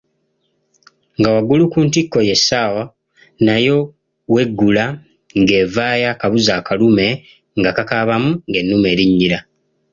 Nga waggulu ku ntikko y’essaawa nayo weggula ng’evaayo akabuzi akalume nga kakaabamu ng’ennume erinnyira.